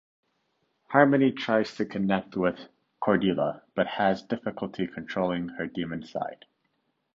Harmony tries to connect with Cordelia, but has difficulty controlling her demon side.